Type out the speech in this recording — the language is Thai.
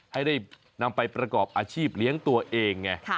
ให้ได้นำไปประกอบอาชีพเลี้ยงตัวเองไง